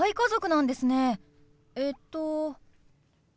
えっと？